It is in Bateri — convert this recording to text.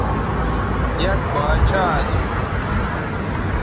یک باچھا اسو